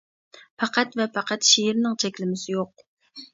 پەقەت ۋە پەقەت شېئىرنىڭ چەكلىمىسى يوق.